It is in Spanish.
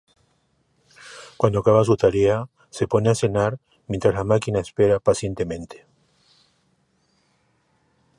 Cuando acaba su tarea, se pone a cenar mientras la máquina espera pacientemente.